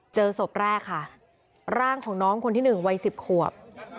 เจอศพแรกค่ะร่างของน้องคนที่๑วัย๑๐ขวบ